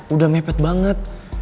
udah mepet banget